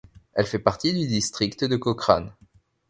Elle fait partie du District de Cochrane.